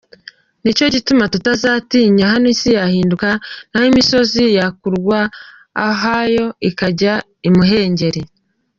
Ni cyo gituma tutazatinya naho isi yahinduka, Naho imisozi yakurwa ahayo ikajya imuhengeri